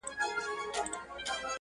ته به مي څرنګه د تللي قدم لار لټوې -